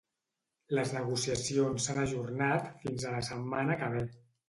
Les negociacions s’han ajornat fins a la setmana que ve.